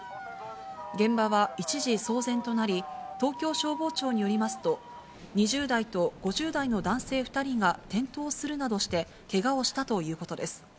現場は一時騒然となり、東京消防庁によりますと、２０代と５０代の男性２人が転倒するなどしてけがをしたということです。